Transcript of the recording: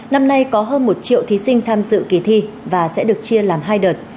năm nay có hơn một triệu thí sinh tham dự kỳ thi và sẽ được chia làm hai đợt